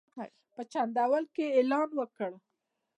په جندول کې یې اعلان وکړ.